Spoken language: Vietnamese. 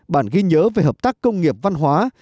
bản ghi nhớ về hợp tác công nghiệp văn hóa